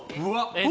えっ？